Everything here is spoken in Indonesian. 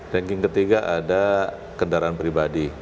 ranking ketiga ada kendaraan pribadi